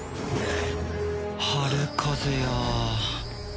春風や。